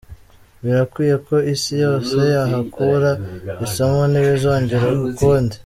Birakwiye ko Isi yose yahakura isomo ntibizongere ukundi.